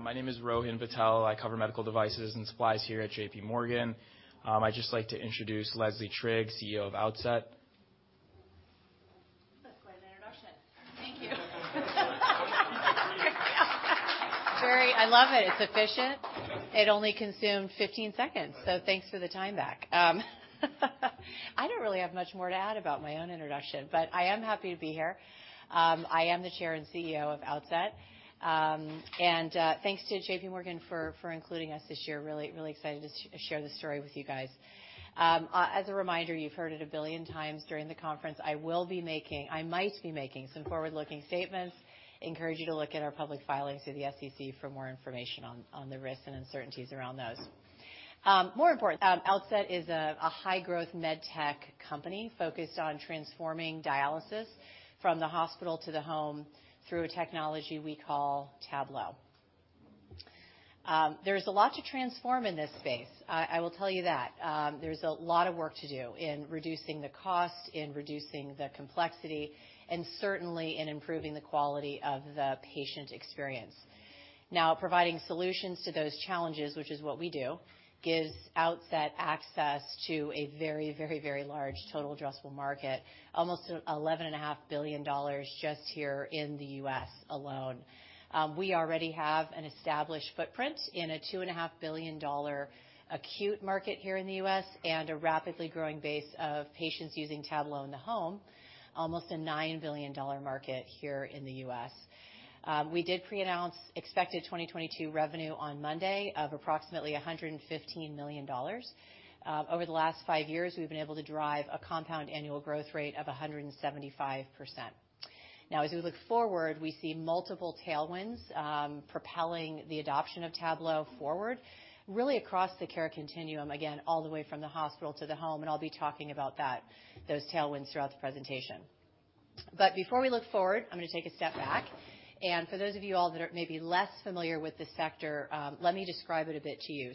My name is Rohan Patel. I cover medical devices and supplies here at JPMorgan. I'd just like to introduce Leslie Trigg, CEO of Outset. That's quite an introduction. Thank you. I love it. It's efficient. It only consumed 15 seconds, so thanks for the time back. I don't really have much more to add about my own introduction, but I am happy to be here. I am the Chair and CEO of Outset. Thanks to JPMorgan for including us this year. Really excited to share the story with you guys. As a reminder, you've heard it a 1 billion times during the conference, I might be making some forward-looking statements. Encourage you to look at our public filings to the SEC for more information on the risks and uncertainties around those. More important, Outset is a high-growth med tech company focused on transforming dialysis from the hospital to the home through a technology we call Tablo. There is a lot to transform in this space, I will tell you that. There's a lot of work to do in reducing the cost, in reducing the complexity, and certainly in improving the quality of the patient experience. Providing solutions to those challenges, which is what we do, gives Outset access to a very, very, very large total addressable market, almost $11 and a half billion just here in the U.S. alone. We already have an established footprint in a $2 and a half billion acute market here in the U.S., and a rapidly growing base of patients using Tablo in the home, almost a $9 billion market here in the U.S. We did pre-announce expected 2022 revenue on Monday of approximately $115 million. Over the last five years, we've been able to drive a compound annual growth rate of 175%. As we look forward, we see multiple tailwinds propelling the adoption of Tablo forward, really across the care continuum, again, all the way from the hospital to the home, and I'll be talking about those tailwinds throughout the presentation. Before we look forward, I'm gonna take a step back. For those of you all that are maybe less familiar with the sector, let me describe it a bit to you.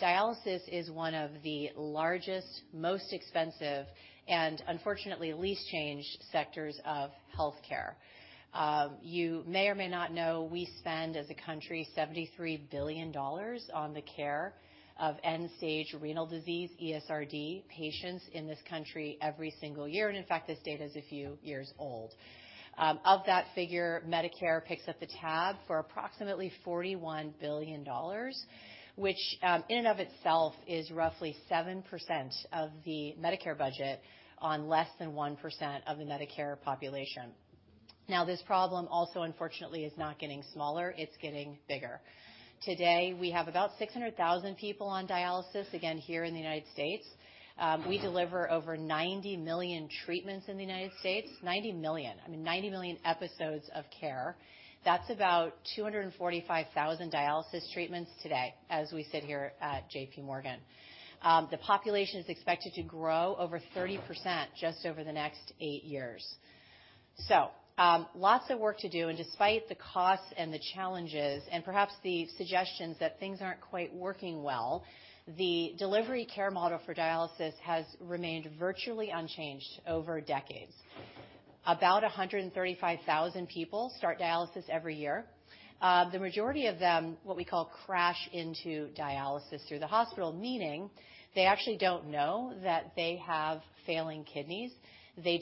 Dialysis is one of the largest, most expensive, and unfortunately least changed sectors of healthcare. You may or may not know, we spend, as a country, $73 billion on the care of end-stage renal disease, ESRD, patients in this country every single year. In fact, this data is a few years old. Of that figure, Medicare picks up the tab for approximately $41 billion, which, in and of itself is roughly 7% of the Medicare budget on less than 1% of the Medicare population. This problem also, unfortunately, is not getting smaller, it's getting bigger. Today, we have about 600,000 people on dialysis, again, here in the United States. We deliver over 90 million treatments in the United States. 90 million. I mean, 90 million episodes of care. That's about 245,000 dialysis treatments today, as we sit here at JPMorgan. The population is expected to grow over 30% just over the next eight years. Lots of work to do. Despite the costs and the challenges, and perhaps the suggestions that things aren't quite working well, the delivery care model for dialysis has remained virtually unchanged over decades. About 135,000 people start dialysis every year. The majority of them, what we call crash into dialysis through the hospital, meaning they actually don't know that they have failing kidneys. They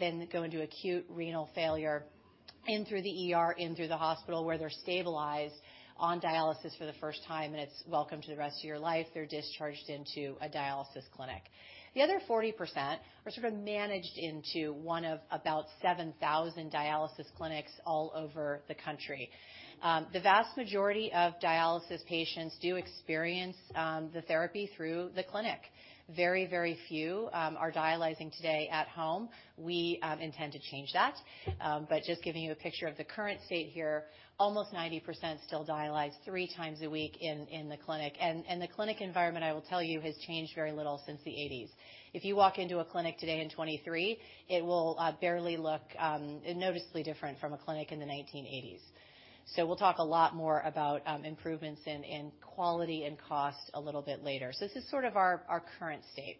then go into acute renal failure in through the ER, in through the hospital, where they're stabilized on dialysis for the first time, and it's welcome to the rest of your life. They're discharged into a dialysis clinic. The other 40% are sort of managed into one of about 7,000 dialysis clinics all over the country. The vast majority of dialysis patients do experience the therapy through the clinic. Very, very few are dialyzing today at home. We intend to change that. Just giving you a picture of the current state here, almost 90% still dialyze three times a week in the clinic. The clinic environment, I will tell you, has changed very little since the 1980s. If you walk into a clinic today in 2023, it will barely look noticeably different from a clinic in the 1980s. We'll talk a lot more about improvements in quality and cost a little bit later. This is sort of our current state.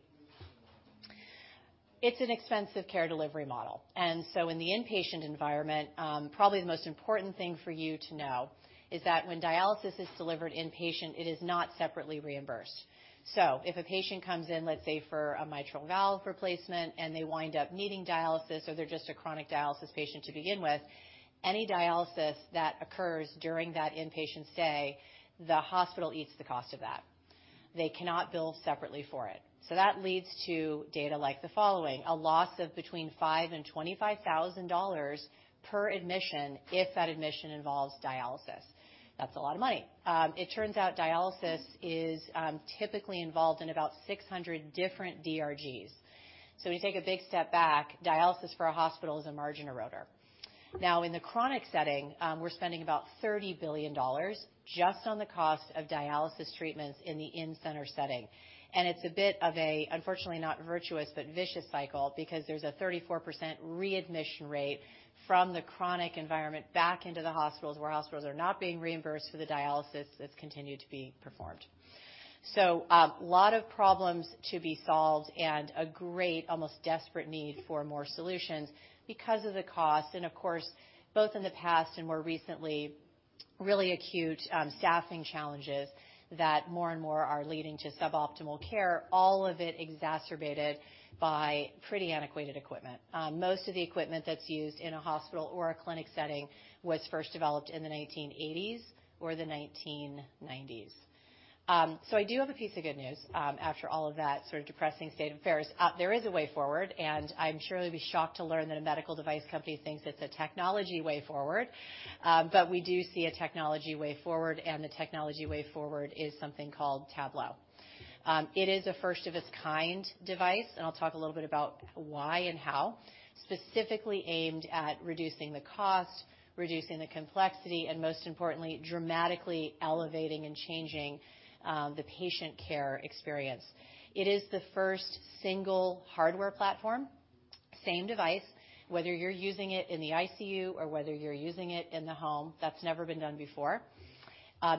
It's an expensive care delivery model. In the inpatient environment, probably the most important thing for you to know is that when dialysis is delivered inpatient, it is not separately reimbursed. If a patient comes in, let's say, for a mitral valve replacement, and they wind up needing dialysis, or they're just a chronic dialysis patient to begin with, any dialysis that occurs during that inpatient stay, the hospital eats the cost of that. They cannot bill separately for it. That leads to data like the following, a loss of between $5,000 and $25,000 per admission if that admission involves dialysis. That's a lot of money. It turns out dialysis is typically involved in about 600 different DRGs. When you take a big step back, dialysis for a hospital is a margin eroder. Now, in the chronic setting, we're spending about $30 billion just on the cost of dialysis treatments in the in-center setting. It's a bit of a, unfortunately, not virtuous, but vicious cycle because there's a 34% readmission rate from the chronic environment back into the hospitals, where hospitals are not being reimbursed for the dialysis that's continued to be performed. Lot of problems to be solved and a great, almost desperate need for more solutions because of the cost. Of course, both in the past and more recently, really acute staffing challenges that more and more are leading to suboptimal care, all of it exacerbated by pretty antiquated equipment. Most of the equipment that's used in a hospital or a clinic setting was first developed in the 1980s or the 1990s. I do have a piece of good news, after all of that sort of depressing state of affairs. There is a way forward, and I'm sure you'll be shocked to learn that a medical device company thinks it's a technology way forward. We do see a technology way forward, and the technology way forward is something called Tablo. It is a first of its kind device, and I'll talk a little bit about why and how. Specifically aimed at reducing the cost, reducing the complexity, and most importantly, dramatically elevating and changing, the patient care experience. It is the first single hardware platform. Same device, whether you're using it in the ICU or whether you're using it in the home. That's never been done before.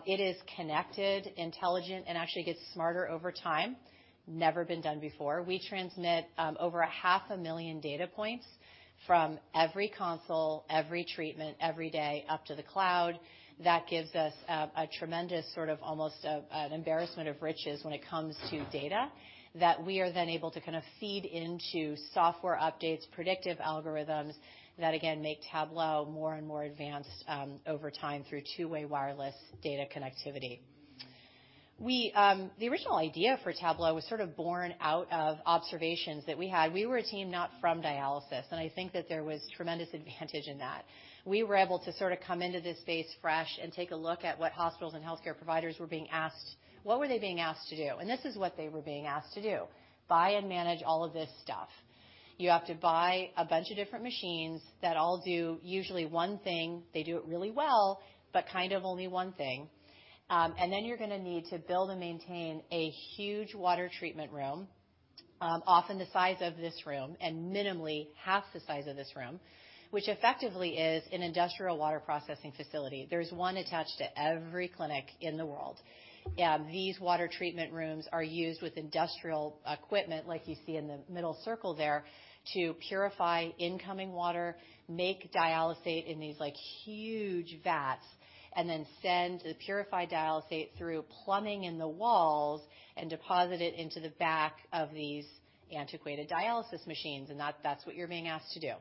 It is connected, intelligent, and actually gets smarter over time. Never been done before. We transmit over a half a million data points from every console, every treatment, every day, up to the cloud. That gives us a tremendous sort of almost an embarrassment of riches when it comes to data that we are then able to kind of feed into software updates, predictive algorithms that again make Tablo more and more advanced over time through two-way wireless data connectivity. The original idea for Tablo was sort of born out of observations that we had. We were a team not from dialysis, and I think that there was tremendous advantage in that. We were able to sort of come into this space fresh and take a look at what hospitals and healthcare providers were being asked. What were they being asked to do? This is what they were being asked to do: buy and manage all of this stuff. You have to buy a bunch of different machines that all do usually one thing. They do it really well, but kind of only one thing. Then you're gonna need to build and maintain a huge water treatment room, often the size of this room, and minimally half the size of this room, which effectively is an industrial water processing facility. There's one attached to every clinic in the world. These water treatment rooms are used with industrial equipment like you see in the middle circle there to purify incoming water, make dialysate in these like huge vats, and then send the purified dialysate through plumbing in the walls and deposit it into the back of these antiquated dialysis machines. That's what you're being asked to do.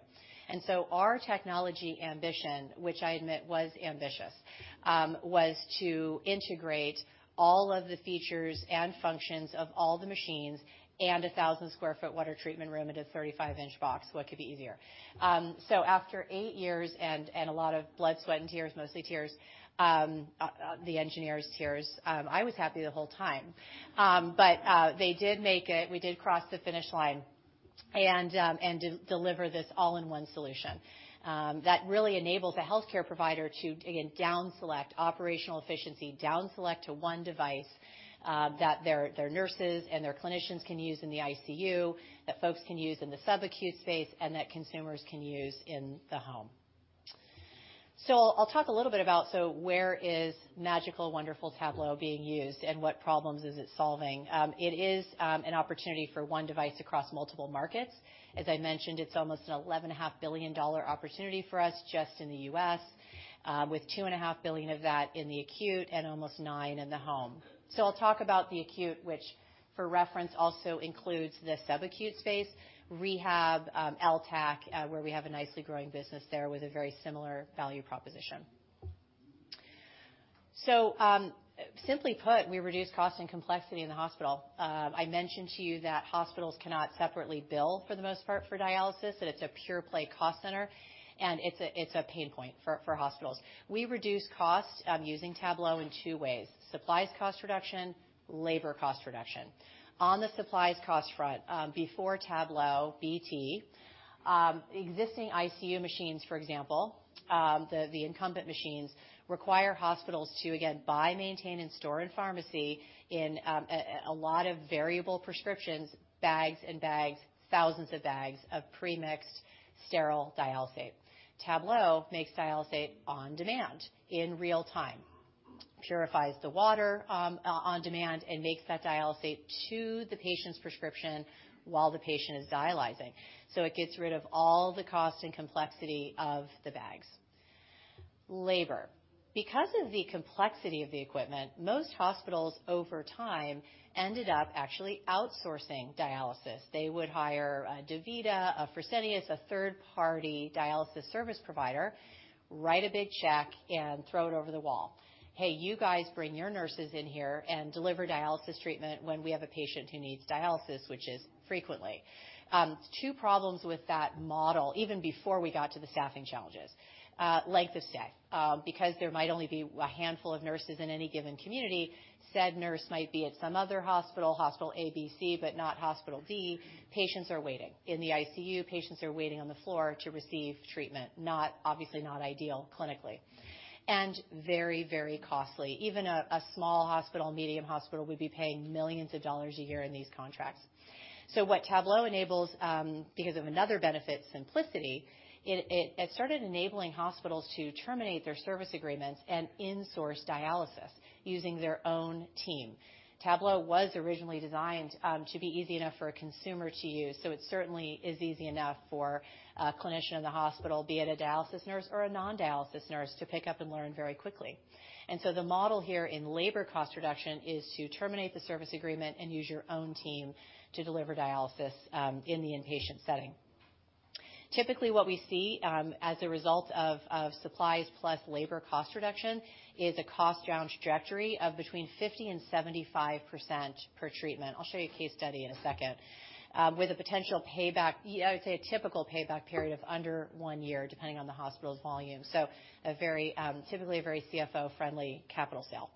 Our technology ambition, which I admit was ambitious, was to integrate all of the features and functions of all the machines and a 1,000 sq ft water treatment room into a 35-inch box. What could be easier? After eight years and a lot of blood, sweat, and tears, mostly tears, the engineers' tears. I was happy the whole time. They did make it. We did cross the finish line and de-deliver this all-in-one solution, that really enables a healthcare provider to, again, down select operational efficiency, down select to one device, that their nurses and their clinicians can use in the ICU, that folks can use in the sub-acute space, and that consumers can use in the home. I'll talk a little bit about where is magical, wonderful Tablo being used and what problems is it solving? It is an opportunity for one device across multiple markets. As I mentioned, it's almost an $11.5 billion opportunity for us just in the U.S., with $2.5 billion of that in the acute and almost $9 billion in the home. I'll talk about the acute, which for reference also includes the sub-acute space, rehab, LTAC, where we have a nicely growing business there with a very similar value proposition. Simply put, we reduce cost and complexity in the hospital. I mentioned to you that hospitals cannot separately bill, for the most part, for dialysis, that it's a pure play cost center, and it's a pain point for hospitals. We reduce cost, using Tablo in two ways: supplies cost reduction, labor cost reduction. On the supplies cost front, before Tablo, BT, existing ICU machines, for example, the incumbent machines require hospitals to again, buy, maintain, and store in pharmacy in a lot of variable prescriptions, bags and bags, thousands of bags of premixed sterile dialysate. Tablo makes dialysate on demand in real-time, purifies the water on demand, and makes that dialysate to the patient's prescription while the patient is dialyzing. It gets rid of all the cost and complexity of the bags. Labor. Because of the complexity of the equipment, most hospitals over time ended up actually outsourcing dialysis. They would hire a DaVita, a Fresenius, a third-party dialysis service provider, write a big check and throw it over the wall. Hey, you guys bring your nurses in here and deliver dialysis treatment when we have a patient who needs dialysis," which is frequently. Two problems with that model, even before we got to the staffing challenges. Length of stay. Because there might only be a handful of nurses in any given community, said nurse might be at some other hospital A, B, C, but not hospital D. Patients are waiting. In the ICU, patients are waiting on the floor to receive treatment. Obviously not ideal clinically. Very, very costly. Even a small hospital, medium hospital would be paying millions of dollars a year in these contracts. What Tablo enables, because of another benefit, simplicity, it has started enabling hospitals to terminate their service agreements and in-source dialysis using their own team. Tablo was originally designed to be easy enough for a consumer to use, so it certainly is easy enough for a clinician in the hospital, be it a dialysis nurse or a non-dialysis nurse, to pick up and learn very quickly. The model here in labor cost reduction is to terminate the service agreement and use your own team to deliver dialysis in the inpatient setting. Typically, what we see, as a result of supplies plus labor cost reduction is a cost down trajectory of between 50% and 75% per treatment. I'll show you a case study in a second. With a potential payback, I would say a typical payback period of under one year, depending on the hospital's volume. A very, typically a very CFO-friendly capital sale.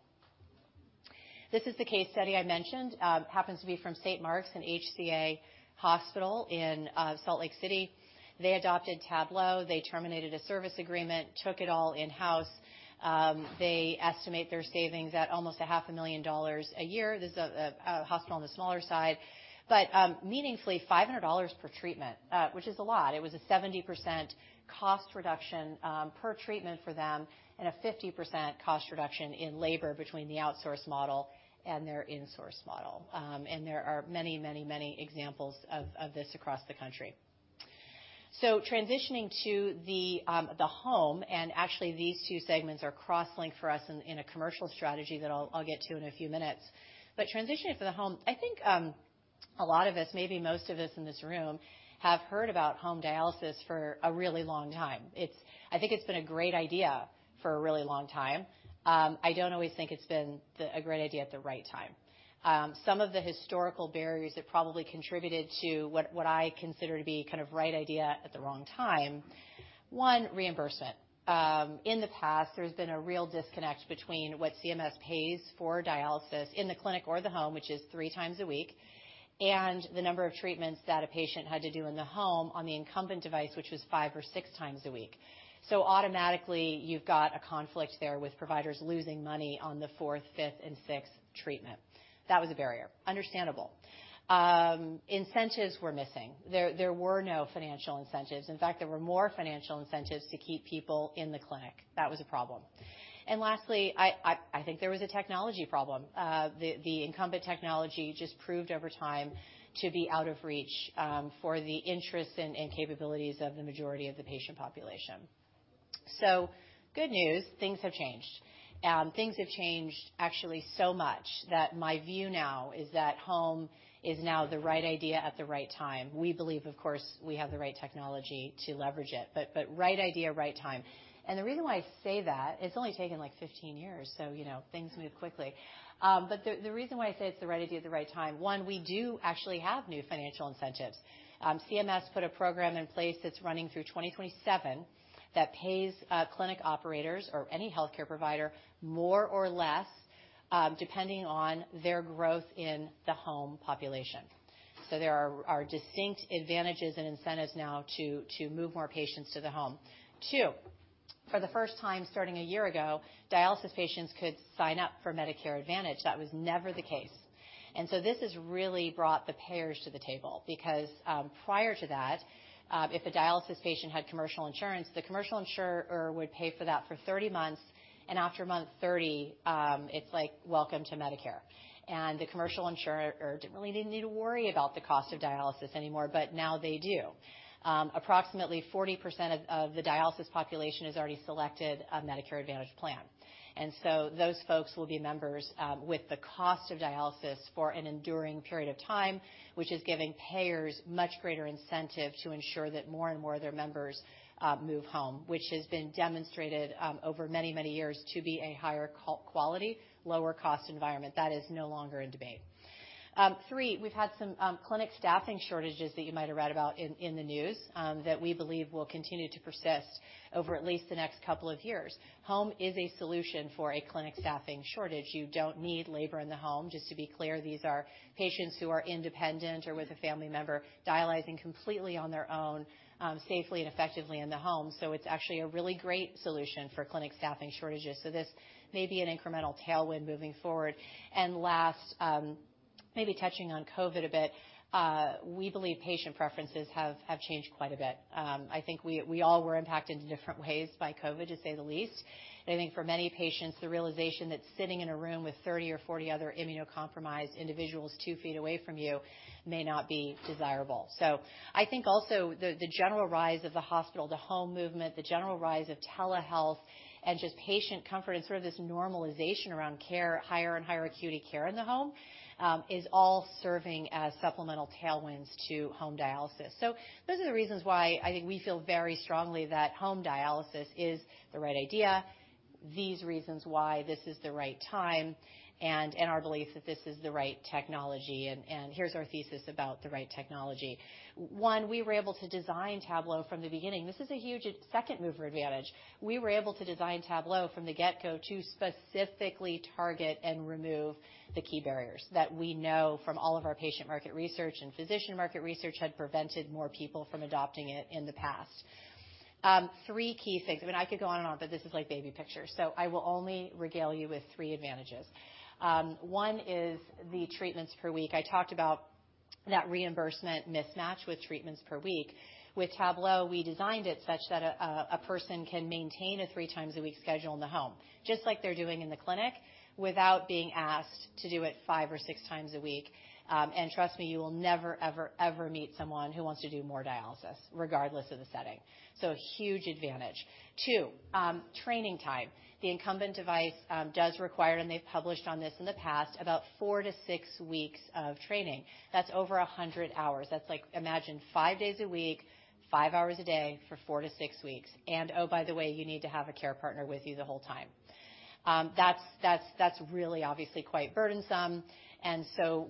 This is the case study I mentioned. happens to be from St. Mark's, an HCA hospital in Salt Lake City. They adopted Tablo. They terminated a service agreement, took it all in-house. They estimate their savings at almost a half a million dollars a year. This is a hospital on the smaller side, but meaningfully $500 per treatment, which is a lot. It was a 70% cost reduction per treatment for them and a 50% cost reduction in labor between the outsource model and their insource model. And there are many examples of this across the country. Transitioning to the home, and actually these two segments are cross-linked for us in a commercial strategy that I'll get to in a few minutes. Transitioning to the home, I think a lot of us, maybe most of us in this room, have heard about home dialysis for a really long time. I think it's been a great idea for a really long time. I don't always think it's been a great idea at the right time. Some of the historical barriers that probably contributed to what I consider to be kind of right idea at the wrong time. One, reimbursement. In the past, there's been a real disconnect between what CMS pays for dialysis in the clinic or the home, which is three times a week, and the number of treatments that a patient had to do in the home on the incumbent device, which was 5 or 6 times a week. Automatically you've got a conflict there with providers losing money on the fourth, fifth, and sixth treatment. That was a barrier. Understandable. Incentives were missing. There, there were no financial incentives. In fact, there were more financial incentives to keep people in the clinic. That was a problem. Lastly, I think there was a technology problem. The incumbent technology just proved over time to be out of reach for the interests and capabilities of the majority of the patient population. Good news, things have changed. Things have changed actually so much that my view now is that home is now the right idea at the right time. We believe, of course, we have the right technology to leverage it, but right idea, right time. The reason why I say that, it's only taken like 15 years, so you know, things move quickly. The reason why I say it's the right idea at the right time, one, we do actually have new financial incentives. CMS put a program in place that's running through 2027 that pays clinic operators or any healthcare provider more or less, depending on their growth in the home population. There are distinct advantages and incentives now to move more patients to the home. Two, for the first time starting a year ago, dialysis patients could sign up for Medicare Advantage. That was never the case. This has really brought the payers to the table because, prior to that, if a dialysis patient had commercial insurance, the commercial insurer would pay for that for 30 months, and after month 30, it's like welcome to Medicare. The commercial insurer didn't really need to worry about the cost of dialysis anymore, but now they do. Approximately 40% of the dialysis population has already selected a Medicare Advantage plan. Those folks will be members, with the cost of dialysis for an enduring period of time, which is giving payers much greater incentive to ensure that more and more of their members, move home, which has been demonstrated, over many, many years to be a higher quality, lower cost environment. That is no longer in debate. Three, we've had some clinic staffing shortages that you might have read about in the news that we believe will continue to persist over at least the next couple of years. Home is a solution for a clinic staffing shortage. You don't need labor in the home. Just to be clear, these are patients who are independent or with a family member dialyzing completely on their own, safely and effectively in the home. It's actually a really great solution for clinic staffing shortages. Last, maybe touching on COVID a bit, we believe patient preferences have changed quite a bit. I think we all were impacted in different ways by COVID, to say the least. I think for many patients, the realization that sitting in a room with 30 or 40 other immunocompromised individuals 2 ft away from you may not be desirable. I think also the general rise of the hospital to home movement, the general rise of telehealth and just patient comfort and sort of this normalization around care, higher and higher acuity care in the home, is all serving as supplemental tailwinds to home dialysis. Those are the reasons why I think we feel very strongly that home dialysis is the right idea, these reasons why this is the right time, and our belief that this is the right technology, and here's our thesis about the right technology. One, we were able to design Tablo from the beginning. This is a huge second mover advantage. We were able to design Tablo from the get-go to specifically target and remove the key barriers that we know from all of our patient market research and physician market research had prevented more people from adopting it in the past. three key things. I mean, I could go on and on, but this is like baby pictures, I will only regale you with three advantages. 1 is the treatments per week. I talked about that reimbursement mismatch with treatments per week. With Tablo, we designed it such that a person can maintain a three times a week schedule in the home, just like they're doing in the clinic, without being asked to do it 5 or 6 times a week. Trust me, you will never, ever meet someone who wants to do more dialysis regardless of the setting. Huge advantage. Two, training time. The incumbent device does require, and they've published on this in the past, about 4 to6 weeks of training. That's over 100 hours. That's like, imagine 5 days a week, 5 hours a day for 4-6 weeks. Oh, by the way, you need to have a care partner with you the whole time. That's really obviously quite burdensome.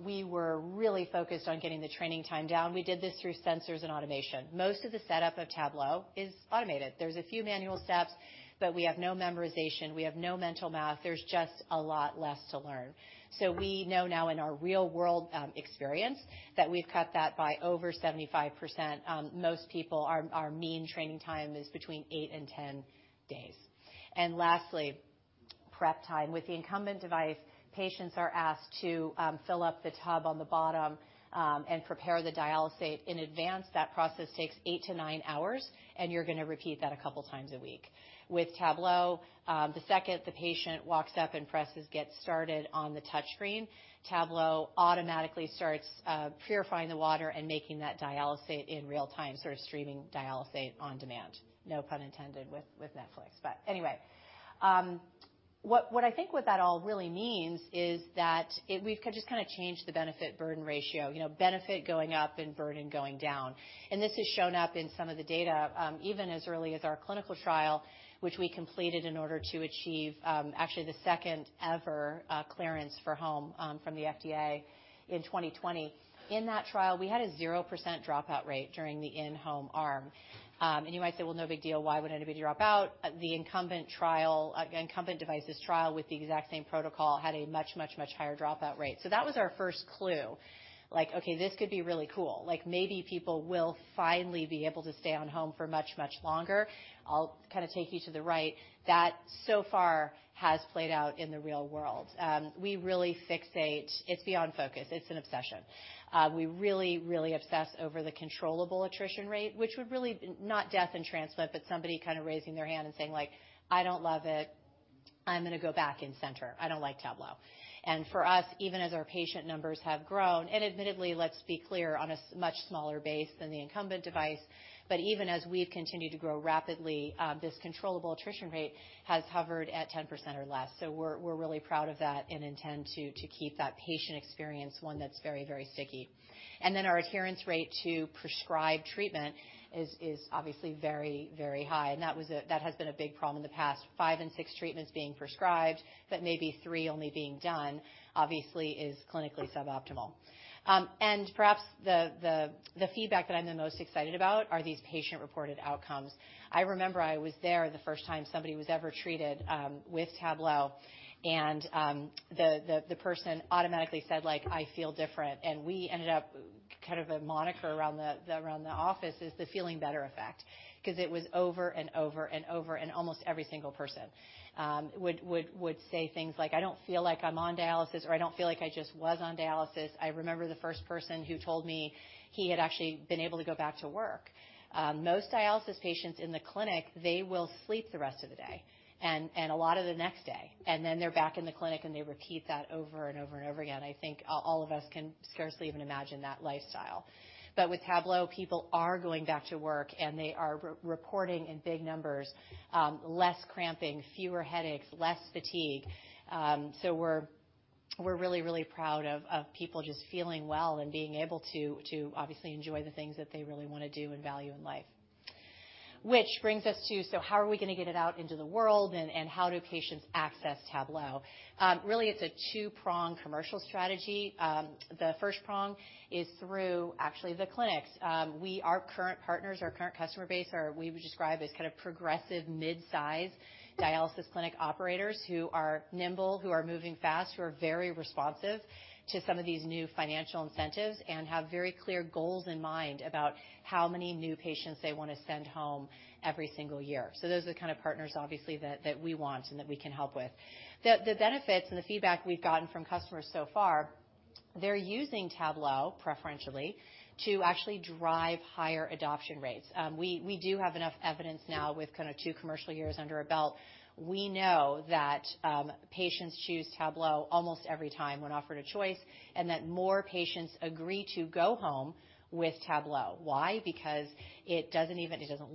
We were really focused on getting the training time down. We did this through sensors and automation. Most of the setup of Tablo is automated. There's a few manual steps, but we have no memorization. We have no mental math. There's just a lot less to learn. We know now in our real-world experience that we've cut that by over 75%. Most people, our mean training time is between 8 and 10 days. Lastly, prep time. With the incumbent device, patients are asked to fill up the tub on the bottom and prepare the dialysate in advance. That process takes 8-9 hours, and you're gonna repeat that a couple times a week. With Tablo, the second the patient walks up and presses Get Started on the touchscreen, Tablo automatically starts purifying the water and making that dialysate in real time, sort of streaming dialysate on demand. No pun intended with Netflix. Anyway, what I think what that all really means is that we've just kinda changed the benefit-burden ratio, you know, benefit going up and burden going down. This has shown up in some of the data, even as early as our clinical trial, which we completed in order to achieve, actually the second ever clearance for home from the FDA in 2020. In that trial, we had a 0% dropout rate during the in-home arm. You might say, "Well, no big deal. Why would anybody drop out?" The incumbent trial, incumbent devices trial with the exact same protocol had a much, much, much higher dropout rate. That was our first clue. Like, okay, this could be really cool. Like, maybe people will finally be able to stay on home for much, much longer. I'll kinda take you to the right. That so far has played out in the real world. We really fixate. It's beyond focus. It's an obsession. We really obsess over the controllable attrition rate, which would not death and transplant, but somebody kinda raising their hand and saying, like, "I don't love it. I'm gonna go back in center. I don't like Tablo." For us, even as our patient numbers have grown, and admittedly, let's be clear, on a much smaller base than the incumbent device, but even as we've continued to grow rapidly, this controllable attrition rate has hovered at 10% or less. We're really proud of that and intend to keep that patient experience one that's very, very sticky. Our adherence rate to prescribed treatment is obviously very, very high, and that has been a big problem in the past. 5 and 6 treatments being prescribed, but maybe three only being done, obviously is clinically suboptimal. Perhaps the feedback that I'm the most excited about are these patient-reported outcomes. I remember I was there the first time somebody was ever treated with Tablo, and the person automatically said, like, "I feel different." We ended up kind of a moniker around the office is the feeling better effect 'cause it was over and over and over, and almost every single person would say things like, "I don't feel like I'm on dialysis," or, "I don't feel like I just was on dialysis." I remember the first person who told me he had actually been able to go back to work. Most dialysis patients in the clinic, they will sleep the rest of the day and a lot of the next day, and then they're back in the clinic, and they repeat that over and over and over again. I think all of us can scarcely even imagine that lifestyle. With Tablo, people are going back to work, and they are reporting in big numbers, less cramping, fewer headaches, less fatigue. We're really proud of people just feeling well and being able to obviously enjoy the things that they really wanna do and value in life. Which brings us to: so how are we gonna get it out into the world, and how do patients access Tablo? Really, it's a two-pronged commercial strategy. The first prong is through actually the clinics. Our current partners, our current customer base are, we would describe as kinda progressive mid-size dialysis clinic operators who are nimble, who are moving fast, who are very responsive to some of these new financial incentives and have very clear goals in mind about how many new patients they wanna send home every single year. Those are the kind of partners, obviously, that we want and that we can help with. The benefits and the feedback we've gotten from customers so far, they're using Tablo preferentially to actually drive higher adoption rates. We do have enough evidence now with kinda 2 commercial years under our belt. We know that patients choose Tablo almost every time when offered a choice and that more patients agree to go home with Tablo. Why? Because it doesn't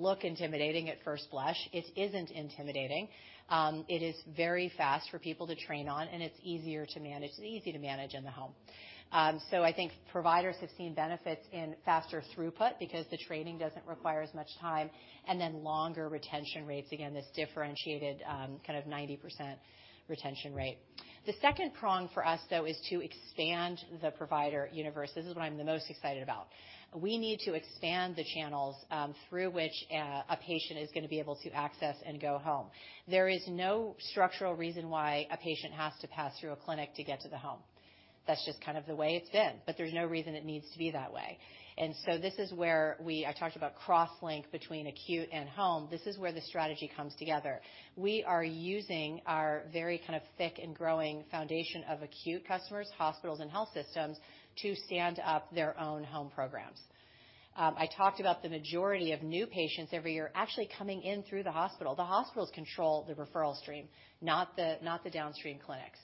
look intimidating at first blush. It isn't intimidating. It is very fast for people to train on, and it's easier to manage. It's easy to manage in the home. I think providers have seen benefits in faster throughput because the training doesn't require as much time, and then longer retention rates. Again, this differentiated, kind of 90% retention rate. The second prong for us, though, is to expand the provider universe. This is what I'm the most excited about. We need to expand the channels, through which, a patient is gonna be able to access and go home. There is no structural reason why a patient has to pass through a clinic to get to the home. That's just kind of the way it's been, but there's no reason it needs to be that way. This is where I talked about cross link between acute and home. This is where the strategy comes together. We are using our very kind of thick and growing foundation of acute customers, hospitals, and health systems to stand up their own home programs. I talked about the majority of new patients every year actually coming in through the hospital. The hospitals control the referral stream, not the, not the downstream clinics.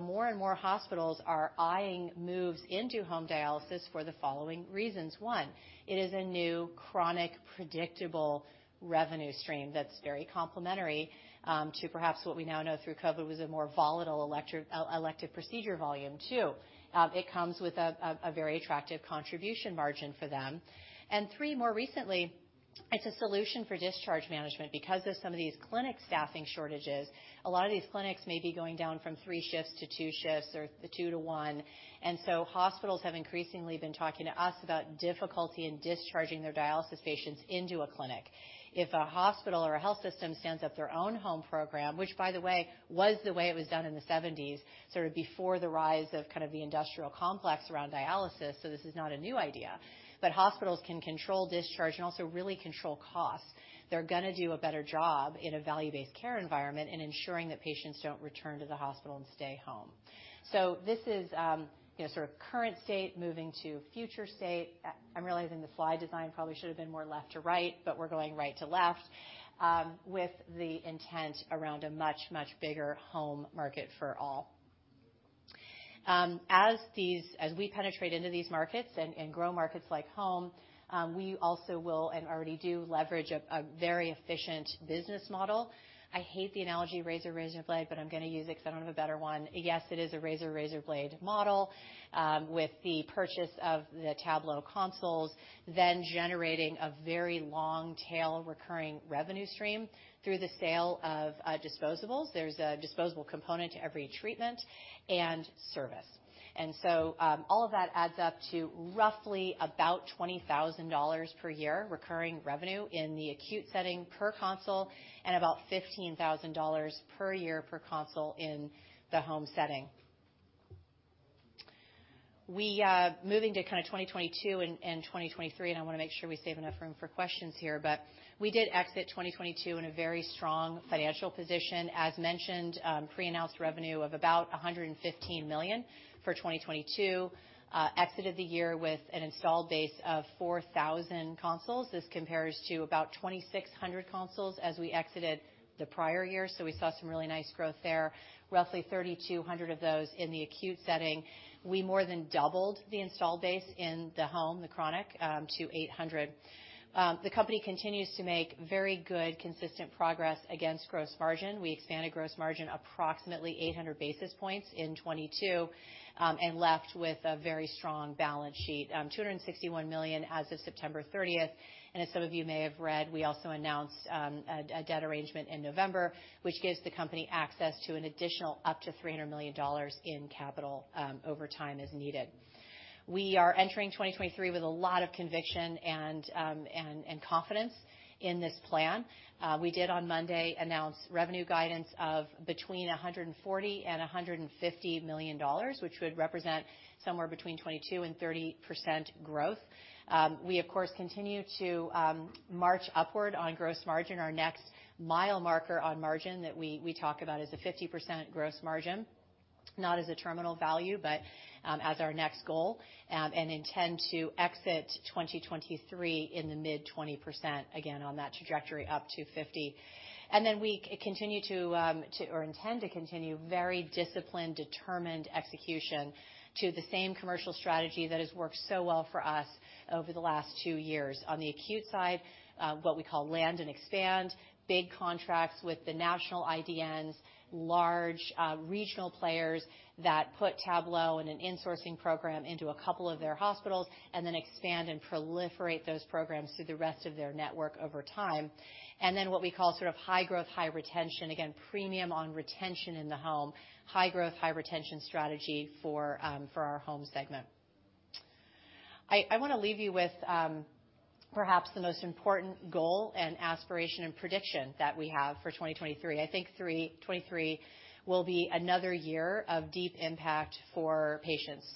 More and more hospitals are eyeing moves into home dialysis for the following reasons. One, it is a new chronic predictable revenue stream that's very complementary to perhaps what we now know through COVID was a more volatile elective procedure volume. Two, it comes with a very attractive contribution margin for them. Three, more recently, it's a solution for discharge management. Because of some of these clinic staffing shortages, a lot of these clinics may be going down from three shifts to two shifts or the 2-1. Hospitals have increasingly been talking to us about difficulty in discharging their dialysis patients into a clinic. If a hospital or a health system stands up their own home program, which by the way, was the way it was done in the 1970s, sort of before the rise of kind of the industrial complex around dialysis, this is not a new idea, but hospitals can control discharge and also really control costs. They're gonna do a better job in a value-based care environment in ensuring that patients don't return to the hospital and stay home. This is, you know, sort of current state moving to future state. I'm realizing the slide design probably should have been more left to right, but we're going right to left, with the intent around a much, much bigger home market for all. As we penetrate into these markets and grow markets like home, we also will and already do leverage a very efficient business model. I hate the analogy razor, razorblade, but I'm gonna use it 'cause I don't have a better one. Yes, it is a razor, razorblade model, with the purchase of the Tablo consoles, then generating a very long tail recurring revenue stream through the sale of disposables. There's a disposable component to every treatment and service. All of that adds up to roughly about $20,000 per year recurring revenue in the acute setting per console and about $15,000 per year per console in the home setting. We, moving to kinda 2022 and 2023, I wanna make sure we save enough room for questions here, we did exit 2022 in a very strong financial position. As mentioned, pre-announced revenue of about $115 million for 2022. Exited the year with an installed base of 4,000 consoles. This compares to about 2,600 consoles as we exited the prior year, we saw some really nice growth there. Roughly 3,200 of those in the acute setting. We more than doubled the installed base in the home, the chronic, to 800. The company continues to make very good, consistent progress against gross margin. We expanded gross margin approximately 800 basis points in 2022 and left with a very strong balance sheet. $261 million as of September 30th. As some of you may have read, we also announced a debt arrangement in November, which gives the company access to an additional up to $300 million in capital over time as needed. We are entering 2023 with a lot of conviction and confidence in this plan. We did on Monday announce revenue guidance of between $140 million and $150 million, which would represent somewhere between 22% and 30% growth. We, of course, continue to march upward on gross margin. Our next mile marker on margin that we talk about is a 50% gross margin, not as a terminal value, but as our next goal, and intend to exit 2023 in the mid-20% again on that trajectory up to 50. Then we continue to or intend to continue very disciplined, determined execution to the same commercial strategy that has worked so well for us over the last two years. On the acute side, what we call land and expand, big contracts with the national IDNs, large regional players that put Tablo in an insourcing program into a couple of their hospitals and then expand and proliferate those programs through the rest of their network over time. Then what we call sort of high growth, high retention, again, premium on retention in the home, high growth, high retention strategy for our home segment. I wanna leave you with perhaps the most important goal and aspiration and prediction that we have for 2023. I think 2023 will be another year of deep impact for patients,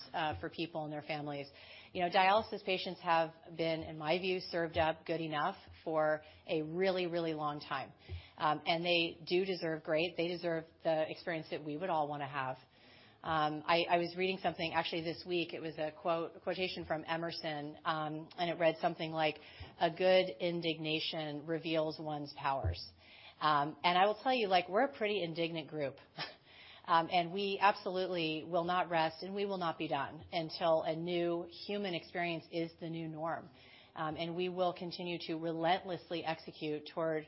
for people and their families. You know, dialysis patients have been, in my view, served up good enough for a really, really long time. They do deserve great. They deserve the experience that we would all wanna have. I was reading something actually this week. It was a quotation from Emerson, and it read something like, "A good indignation reveals one's powers." I will tell you, like, we're a pretty indignant group. We absolutely will not rest, and we will not be done until a new human experience is the new norm. We will continue to relentlessly execute toward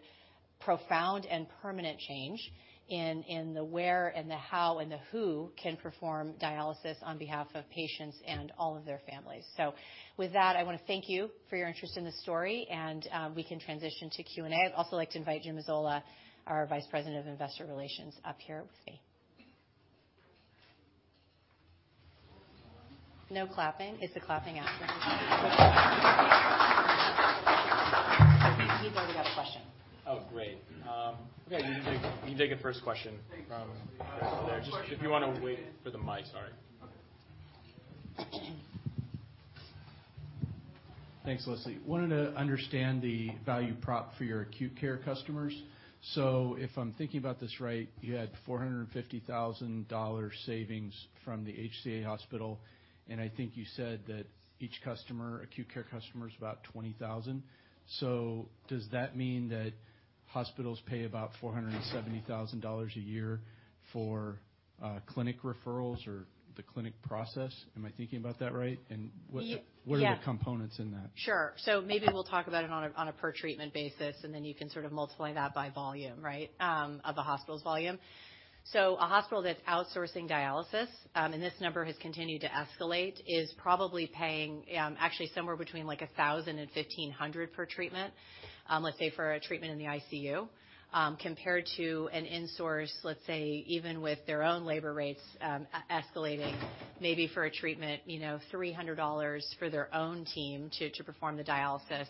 profound and permanent change in the where and the how and the who can perform dialysis on behalf of patients and all of their families. With that, I wanna thank you for your interest in this story, and we can transition to Q&A. I'd also like to invite Jim Mazzola, our Vice President of Investor Relations, up here with me. No clapping. It's a clapping algorithm. You can take a first question from there. Just if you wanna wait for the mic. Sorry. Okay. Thanks, Leslie. Wanted to understand the value prop for your acute care customers. If I'm thinking about this right, you had $450,000 savings from the HCA hospital, I think you said that each customer, acute care customer is about $20,000. Does that mean that hospitals pay about $470,000 a year for clinic referrals or the clinic process? Am I thinking about that right? What's the. Y-yeah. What are the components in that? Sure. Maybe we'll talk about it on a per treatment basis, and then you can sort of multiply that by volume, right, of the hospital's volume. A hospital that's outsourcing dialysis, and this number has continued to escalate, is probably paying, actually somewhere between like $1,000-$1,500 per treatment, let's say for a treatment in the ICU. Compared to an insourced, let's say, even with their own labor rates, escalating, maybe for a treatment, you know, $300 for their own team to perform the dialysis.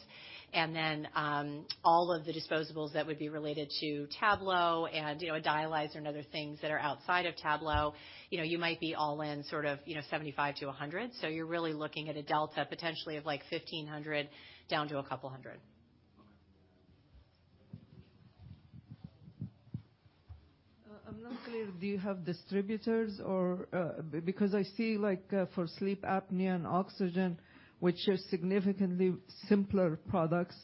All of the disposables that would be related to Tablo and, you know, a dialyzer and other things that are outside of Tablo. You know, you might be all in sort of, you know, $75-$100. You're really looking at a delta potentially of like $1,500 down to $200. Okay. I'm not clear. Do you have distributors or, because I see like, for sleep apnea and oxygen, which are significantly simpler products,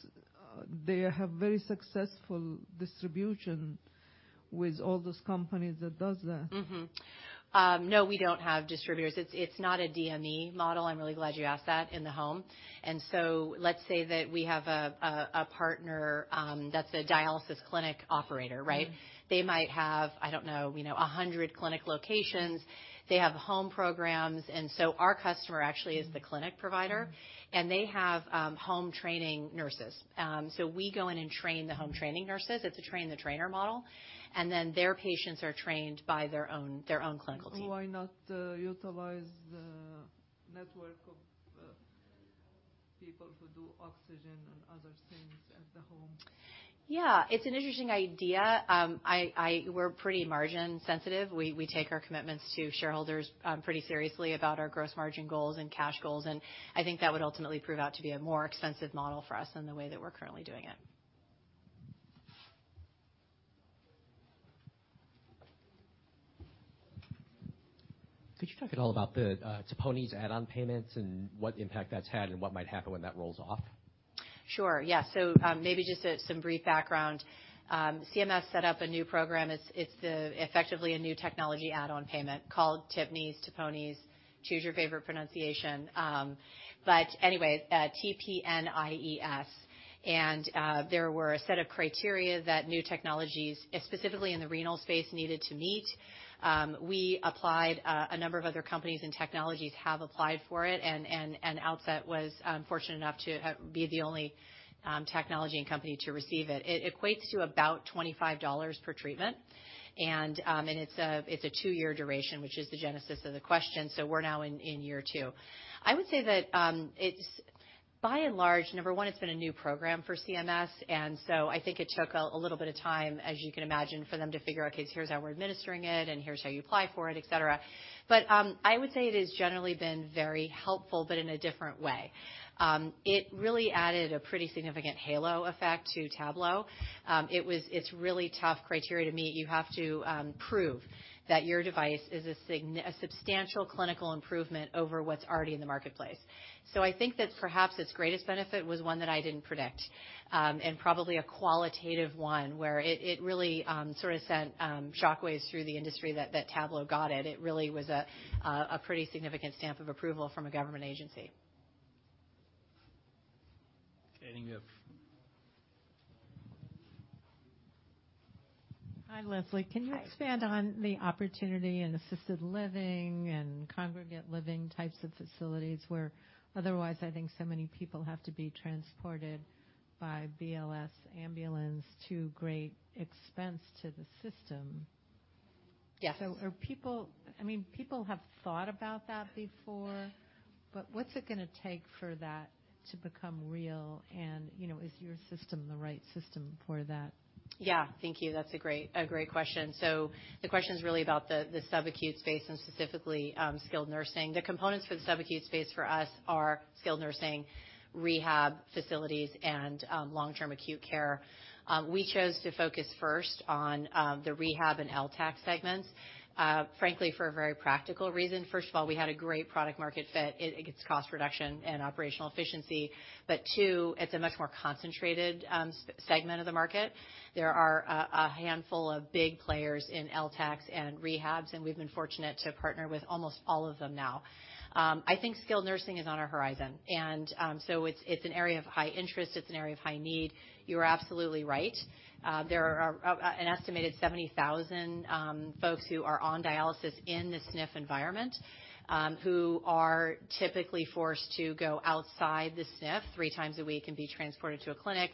they have very successful distribution with all those companies that does that? No, we don't have distributors. It's not a DME model, I'm really glad you asked that, in the home. Let's say that we have a partner, that's a dialysis clinic operator, right? Mm-hmm. They might have, I don't know, you know, 100 clinic locations. They have home programs. Our customer actually is the clinic provider. Mm-hmm. They have home training nurses. We go in and train the home training nurses. It's a train the trainer model. Then their patients are trained by their own, their own clinical team. Why not utilize the network of people who do oxygen and other things at the home? Yeah, it's an interesting idea. We're pretty margin-sensitive. We take our commitments to shareholders pretty seriously about our gross margin goals and cash goals. I think that would ultimately prove out to be a more expensive model for us in the way that we're currently doing it. Could you talk at all about the TPNIES add-on payments and what impact that's had and what might happen when that rolls off? Sure, yeah. Maybe just some brief background. CMS set up a new program. It's effectively a new technology add-on payment called Tipnies, Tiponies. Choose your favorite pronunciation. Anyway, TPNIES. There were a set of criteria that new technologies, specifically in the renal space, needed to meet. We applied, a number of other companies and technologies have applied for it, and Outset was fortunate enough to be the only technology and company to receive it. It equates to about $25 per treatment. It's a two-year duration, which is the genesis of the question, so we're now in year two. I would say that it's... By and large, number one, it's been a new program for CMS, and so I think it took a little bit of time, as you can imagine, for them to figure out, okay, here's how we're administering it, and here's how you apply for it, et cetera. I would say it has generally been very helpful, but in a different way. It really added a pretty significant halo effect to Tablo. It's really tough criteria to meet. You have to prove that your device is a substantial clinical improvement over what's already in the marketplace. I think that perhaps its greatest benefit was one that I didn't predict, and probably a qualitative one, where it really sort of sent shockwaves through the industry that Tablo got it. It really was a pretty significant stamp of approval from a government agency. Anything. Hi, Leslie. Hi. Can you expand on the opportunity in assisted living and congregate living types of facilities where otherwise I think so many people have to be transported by BLS ambulance to great expense to the system. Yes. I mean, people have thought about that before, but what's it gonna take for that to become real? You know, is your system the right system for that? Thank you. That's a great question. The question is really about the sub-acute space and specifically skilled nursing. The components for the sub-acute space for us are skilled nursing, rehab facilities, and long-term acute care. We chose to focus first on the rehab and LTAC segments, frankly, for a very practical reason. First of all, we had a great product market fit. It gets cost reduction and operational efficiency. 2, it's a much more concentrated segment of the market. There are a handful of big players in LTACs and rehabs, and we've been fortunate to partner with almost all of them now. I think skilled nursing is on our horizon. It's an area of high interest. It's an area of high need. You're absolutely right. There are an estimated 70,000 folks who are on dialysis in the SNF environment, who are typically forced to go outside the SNF three times a week and be transported to a clinic.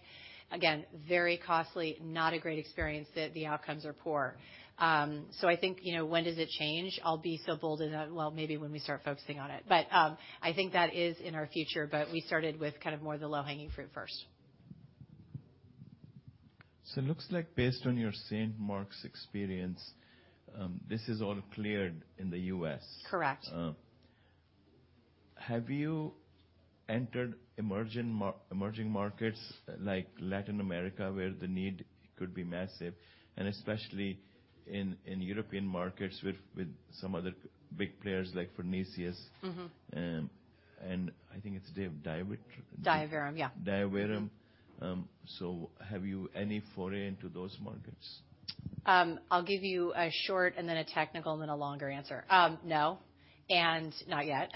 Again, very costly. Not a great experience, the outcomes are poor. I think, you know, when does it change? I'll be so bold as to. Well, maybe when we start focusing on it. I think that is in our future, but we started with kind of more the low-hanging fruit first. It looks like based on your St. Mark's experience, this is all cleared in the U.S. Correct. Have you entered emerging markets like Latin America, where the need could be massive, and especially in European markets with some other big players like Fresenius? Mm-hmm. I think it's Diaverum. Diaverum, yeah. Diaverum. Have you any foray into those markets? I'll give you a short and then a technical and then a longer answer. No, and not yet.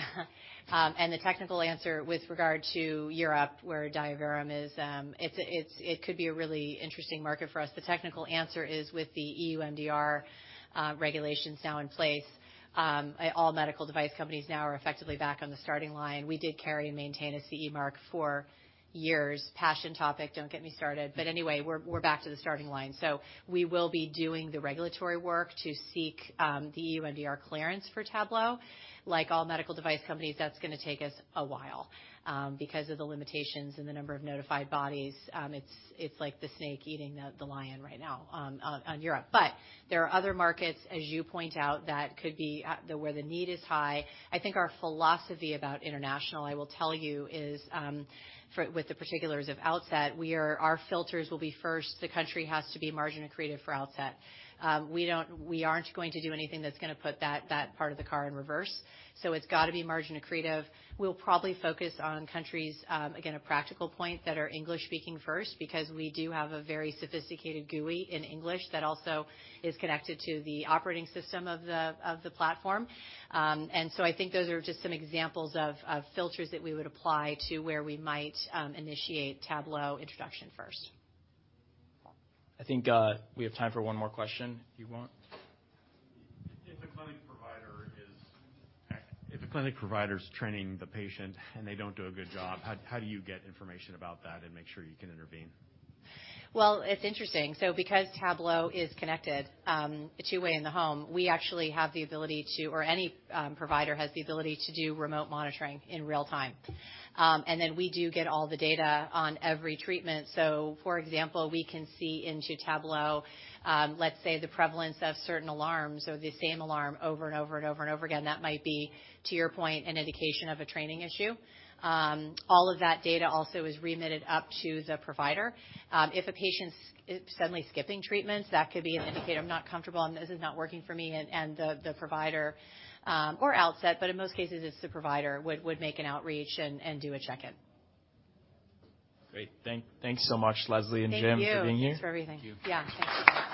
The technical answer with regard to Europe, where Diaverum is, it could be a really interesting market for us. The technical answer is with the EU MDR regulations now in place, all medical device companies now are effectively back on the starting line. We did carry and maintain a CE mark for years. Passion topic, don't get me started. Anyway, we're back to the starting line. We will be doing the regulatory work to seek the EU MDR clearance for Tablo. Like all medical device companies, that's gonna take us a while because of the limitations and the number of notified bodies, it's like the snake eating the lion right now on Europe. There are other markets, as you point out, that could be where the need is high. I think our philosophy about international, I will tell you, is, with the particulars of Outset, our filters will be first, the country has to be margin accretive for Outset. We aren't going to do anything that's gonna put that part of the car in reverse. It's gotta be margin accretive. We'll probably focus on countries, again, a practical point that are English-speaking first, because we do have a very sophisticated GUI in English that also is connected to the operating system of the, of the platform. I think those are just some examples of filters that we would apply to where we might initiate Tablo introduction first. I think, we have time for one more question if you want. If a clinic provider's training the patient and they don't do a good job, how do you get information about that and make sure you can intervene? Well, it's interesting. Because Tablo is connected, 2-way in the home, we actually have the ability to, or any provider has the ability to do remote monitoring in real time. We do get all the data on every treatment. For example, we can see into Tablo, let's say the prevalence of certain alarms or the same alarm over and over again. That might be, to your point, an indication of a training issue. All of that data also is remitted up to the provider. If a patient's suddenly skipping treatments, that could be an indicator I'm not comfortable, and this is not working for me, and the provider, or Outset, but in most cases, it's the provider would make an outreach and do a check-in. Great. Thanks so much, Leslie and Jim, for being here. Thank you. Thanks for everything. Thank you. Yeah. Thanks.